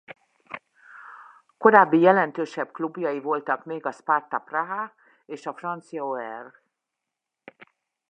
Korábbi jelentősebb klubjai voltak még a Sparta Praha és a francia Auxerre.